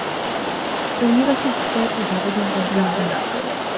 Používá se také u závodních automobilů.